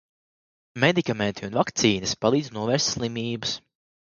Medikamenti un vakcīnas palīdz novērst slimības.